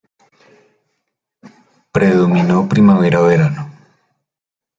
Predominio primavera verano.